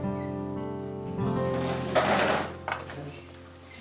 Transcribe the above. tidur dulu tidur